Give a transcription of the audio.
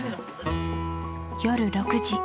夜６時。